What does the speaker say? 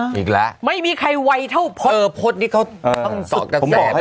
อ่าอีกแล้วไม่มีใครวัยเท่าพดเออพดนี่เขาเออสอบกับแสนเลย